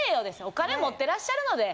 お金持ってらっしゃるので。